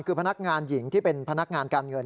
คือพนักงานหญิงที่เป็นพนักงานการเงิน